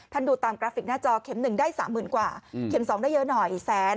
ดูตามกราฟิกหน้าจอเข็ม๑ได้๓๐๐๐กว่าเข็ม๒ได้เยอะหน่อย